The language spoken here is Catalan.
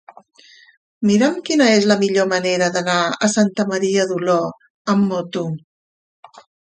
Mira'm quina és la millor manera d'anar a Santa Maria d'Oló amb moto.